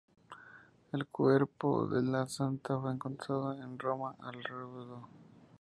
El Cuerpo de la Santa fue entregado en Roma al Rvdo.